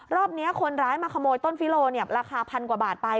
รอบนี้คนร้ายมาขโมยต้นฟิโลราคาพันกว่าบาทไป